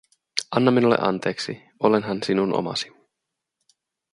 Anna minulle anteeksi, olenhan sinun omasi.